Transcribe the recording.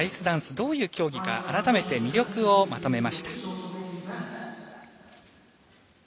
どういう競技か改めて魅力をまとめました。